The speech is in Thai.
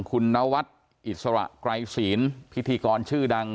คุณนวัดอิสระไกรศีลพิธีกรชื่อดัง